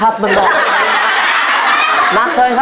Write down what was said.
ไปเร็วหน้า